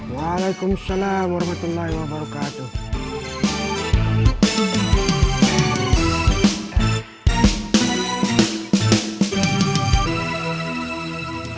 waalaikumsalam warahmatullahi wabarakatuh